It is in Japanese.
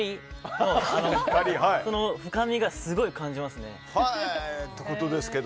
深みをすごい感じますね。